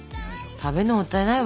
食べるのもったいないわ。